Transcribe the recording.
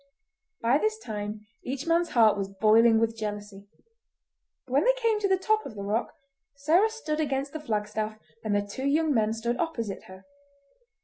By this time, each man's heart was boiling with jealousy. When they came to the top of the rock, Sarah stood against the flagstaff, and the two young men stood opposite her.